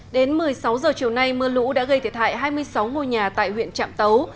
đến một mươi sáu h chiều nay mưa lũ đã gây thiệt hại hai mươi sáu ngôi nhà tại huyện trạm tấu